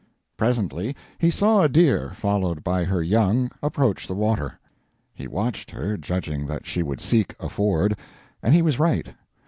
Presently he saw a deer, followed by her young, approach the water. He watched her, judging that she would seek a ford, and he was right.